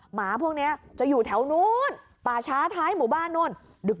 หมาพวกนี้จะอยู่แถวนู้นป่าช้าท้ายหมู่บ้านนู่นดึก